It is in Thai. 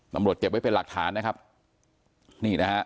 เก็บไว้เป็นหลักฐานนะครับนี่นะฮะ